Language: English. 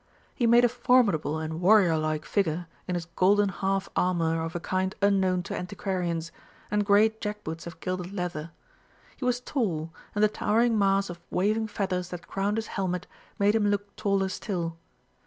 He made a formidable and warrior like figure in his golden half armour of a kind unknown to antiquarians, and great jack boots of gilded leather. He was tall, and the towering mass of waving feathers that crowned his helmet made him look taller still.